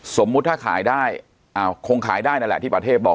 สมมุติถ้าขายได้คงขายได้นั่นแหละที่ประเทศบอก